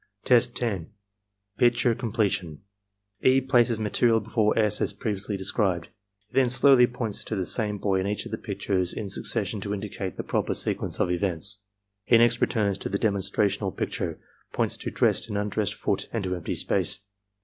Test 10. — Picture Completion E. places material before S. as previously described. He then slowly points to the same boy in each of the pictures in succession to indicate the proper sequence of events. He next returns to the demonstrational picture, points to dressed and imdressed foot and to empty space.